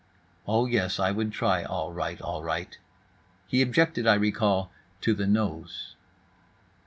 Oh, yes, I would try all right, all right. He objected, I recall, to the nose.